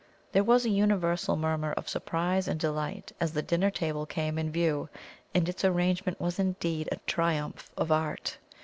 There was a universal murmur of surprise and delight as the dinner table came in view; and its arrangement was indeed a triumph of art.